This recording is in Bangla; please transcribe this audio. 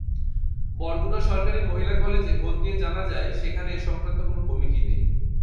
বরগুনা সরকারি মহিলা কলেজে খোঁজ নিয়ে জানা যায়, সেখানে এ-সংক্রান্ত কোনো কমিটি নেই।